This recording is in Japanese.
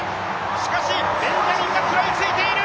しかし、ベンジャミンが食らいついている。